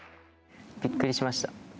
びっくりしました。